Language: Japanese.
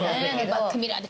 バックミラーで。